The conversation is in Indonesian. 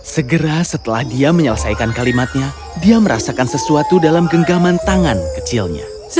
segera setelah dia menyelesaikan kalimatnya dia merasakan sesuatu dalam genggaman tangan kecilnya